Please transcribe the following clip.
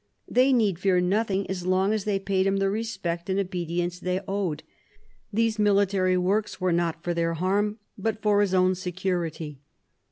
They need fear nothing, as long as they paid him the respect and obedience they owed. These military works were not for their harm, but for his own security.